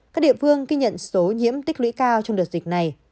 các địa phương ghi nhận số nhiễm tích lũy cao trong đợt dịch này